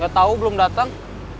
gak tau belum dateng